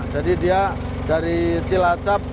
jadi dia dari cilacap